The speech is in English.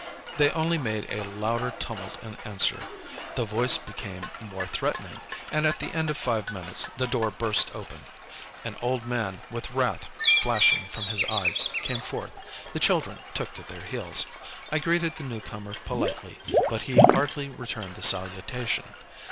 They only made a louder tumult in answer; the voice became more threatening, and at the end of five minutes the door burst open. An old man, with wrath flashing from his eyes, came forth. The children took to their heels; I greeted the new comer politely, but he hardly returned the salutation.